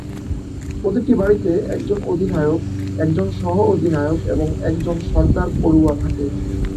প্রতিটি বাড়িতে একজন অধিনায়ক, একজন সহ-অধিনায়ক এবং একজন সর্দার পড়ুয়া থাকে।